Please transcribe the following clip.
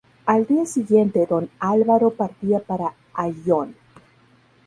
Al día siguiente don Álvaro partía para Ayllón.